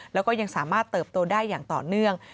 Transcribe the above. แล้วก็ยังสามารถเติบโตได้อย่างต่อเนื่อง